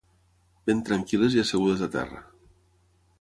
Ben tranquil·les i assegudes a terra.